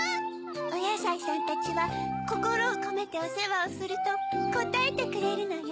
おやさいさんたちはこころをこめておせわをするとこたえてくれるのよ。